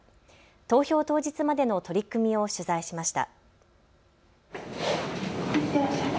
投票当日までの取り組みを取材しました。